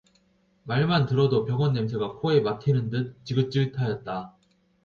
말만 들어도 병원 냄새가 코에 맡히는 듯 지긋지긋하였다.